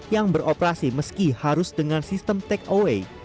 yang beroperasi meski harus dengan sistem take away